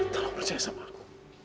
tolong percaya sama aku